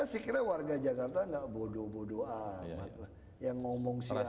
ya sih kira warga jakarta gak bodo bodo amat